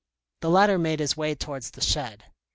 The latter made his way towards the shed.